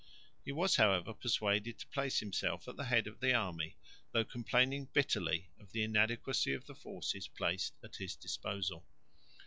He was however persuaded to place himself at the head of the army, though complaining bitterly of the inadequacy of the forces placed at his disposal.